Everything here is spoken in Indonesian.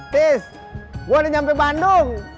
pis gue udah nyampe bandung